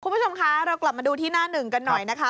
คุณผู้ชมคะเรากลับมาดูที่หน้าหนึ่งกันหน่อยนะคะ